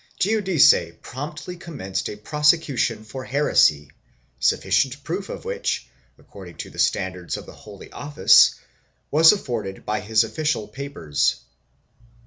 Giudice promptly commenced a prose cution for heresy, sufficient proof of which, according to the standards of the Holy Office, was afforded by his official papers.